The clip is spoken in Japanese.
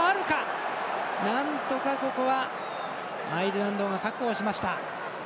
なんとか、ここはアイルランドが確保しました。